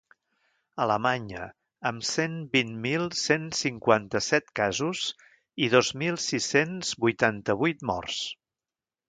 Alemanya, amb cent vint mil cent cinquanta-set casos i dos mil sis-cents vuitanta-vuit morts.